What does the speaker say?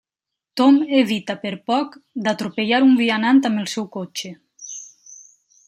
Tom evita per poc, d'atropellar un vianant amb el seu cotxe.